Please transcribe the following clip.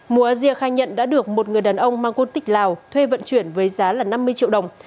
mùa asia khai nhận đã được một người đàn ông mang quân tịch lào thuê vận chuyển với giá năm mươi triệu đồng